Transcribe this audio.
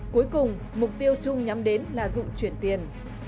cuối cùng mục tiêu chung nhắm đến là dụng chuyển tiền